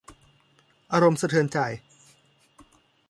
อารมณ์สะเทือนใจ